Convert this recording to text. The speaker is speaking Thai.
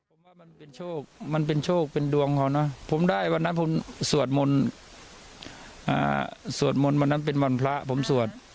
ผมว่ามันเป็นโชคมันเป็นโชคเป็นดวงเขานะผมได้วันนั้นผมสวดมนต์สวดมนต์วันนั้นเป็นวันพระผมสวด